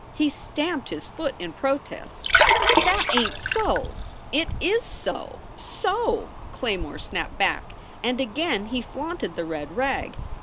He stamped his foot in protest. "That ain t so!" "It is so, so!" Claymore snapped back, and again he flaunted the red rag.